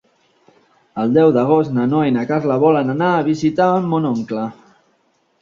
El deu d'agost na Noa i na Carla volen anar a visitar mon oncle.